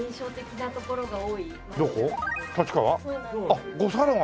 あっ五差路が。